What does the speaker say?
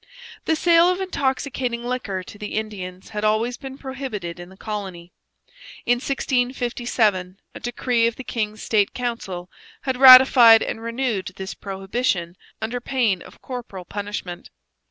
The sale of intoxicating liquor to the Indians had always been prohibited in the colony. In 1657 a decree of the King's State Council had ratified and renewed this prohibition under pain of corporal punishment.